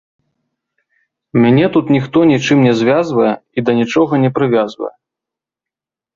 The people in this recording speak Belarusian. Мяне тут ніхто нічым не звязвае і да нічога не прывязвае.